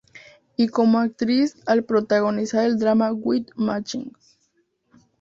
Y como actriz al protagonizar el drama web "Matching!